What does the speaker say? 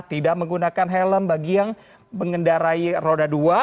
tidak menggunakan helm bagi yang mengendarai roda dua